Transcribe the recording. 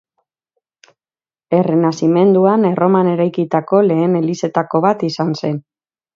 Errenazimenduan Erroman eraikitako lehen elizetako bat izan zen.